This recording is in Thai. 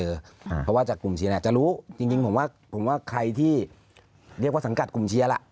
เพราะว่าจากกลุ่มเชียร์เนี่ยจะรู้จริงผมว่าผมว่าใครที่เรียกว่าสังกัดกลุ่มเชียร์ล่ะ